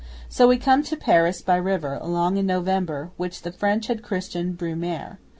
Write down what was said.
So we come to Paris, by river, along in November, which the French had christened Brumaire.